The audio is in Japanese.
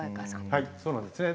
はいそうなんですね。